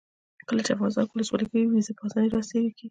کله چې افغانستان کې ولسواکي وي ویزه په اسانۍ راسیږي.